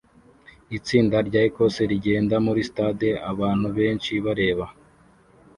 Itsinda rya Ecosse rigenda muri stade abantu benshi bareba